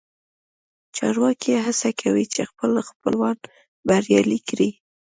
چارواکي هڅه کوي چې خپل خپلوان بریالي کړي